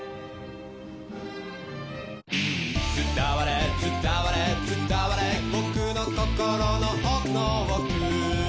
「伝われ伝われ伝われ僕の心の奥の奥」